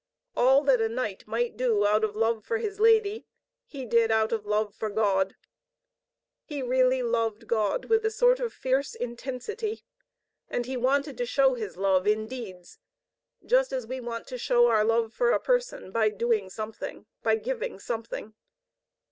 All that a knight might do out of love for his lady, he did out of love for God. He really loved God with a sort of fierce intensity. And he wanted to show his love in deeds, just as we want to show our love for a person by doing something, by giving something.